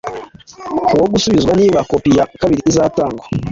wo gusubizwa Niba kopi ya kabiri izatangwa